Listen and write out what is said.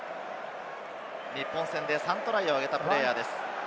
日本戦で３トライを挙げたプレーヤーです。